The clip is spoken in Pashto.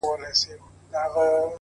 وخت سره زر دي او ته باید زرګر اوسي,